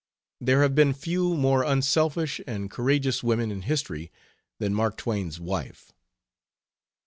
There have been few more unselfish and courageous women in history than Mark Twain's wife.